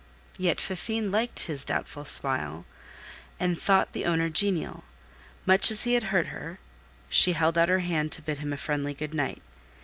Yet Fifine liked this doubtful smile, and thought the owner genial: much as he had hurt her, she held out her hand to bid him a friendly good night.